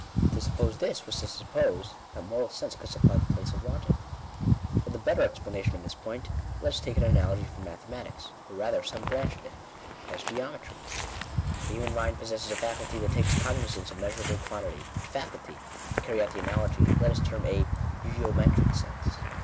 To suppose this, was to suppose that moral sense could supply the place of logic. Fqr_Jhe better explanation of this point, let us take an ^^alogjtirom mathematics, or rather some branch of it, as geo metry. The human mind possesses a faculty that takes cog nizance of measurable quantity, which faculty, to carry out the analogy, let us term a geometric sense.